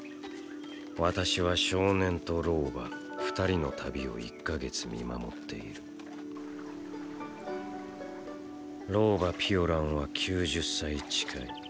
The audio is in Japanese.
私は少年と老婆二人の旅を１か月見守っている老婆ピオランは９０歳近い。